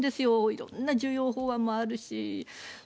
いろんな重要法案もあるし。